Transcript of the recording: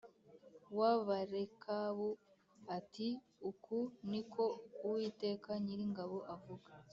w Abarekabu ati Uku ni ko Uwiteka Nyiringabo avuga